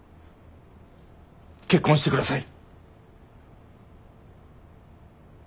結婚してください。